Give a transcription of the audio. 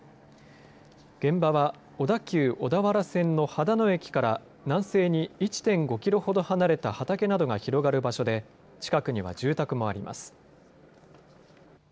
現場は小田急小田原線の秦野駅から南西に１．５キロほど離れた畑などが広がる場所で近くには住宅もあります。